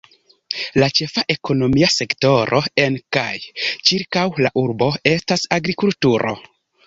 La ĉefa ekonomia sektoro en kaj ĉirkaŭ la urbo estas agrikulturo.